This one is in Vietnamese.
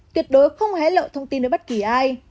tuyệt đối không hé lộ thông tin đến bất kỳ ai